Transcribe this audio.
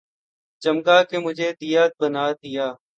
چمکا کے مجھے دیا بنا یا